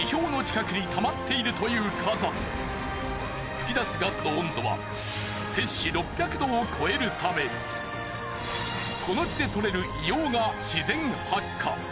噴き出すガスの温度は摂氏６００℃を超えるためこの地でとれる硫黄が自然発火。